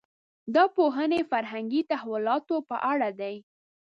دا پوهنې فرهنګي تحولاتو په اړه دي.